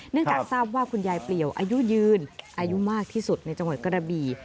จากทราบว่าคุณยายเปลี่ยวอายุยืนอายุมากที่สุดในจังหวัดกระบี่